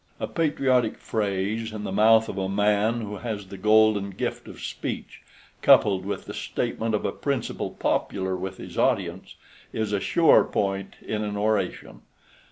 A patriotic phrase in the mouth of a man who has the golden gift of speech, coupled with the statement of a principle popular with his audience, is a sure point in an oration.